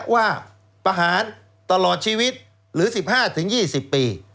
ประหารตลอดชีวิตหรือ๑๕๒๐ปี